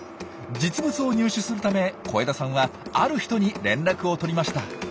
実物を入手するため小枝さんはある人に連絡を取りました。